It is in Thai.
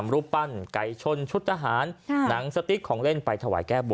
สวัสดีครับสวัสดีครับสวัสดีครับ